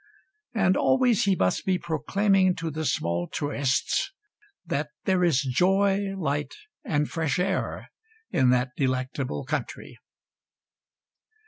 And always he must be proclaiming to the small tourists that there is joy, light and fresh air in that delectable country.